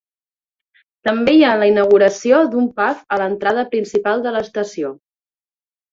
També hi ha la inauguració d'un pub a l'entrada principal de l'estació.